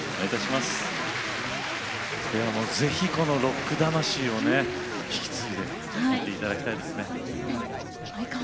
ロック魂を引き継いでいっていただきたいですね。